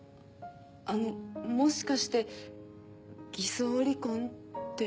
あのもしかして偽装離婚って。